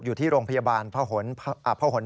อยู่ที่โรงพยาบาลเพ้าโหนพน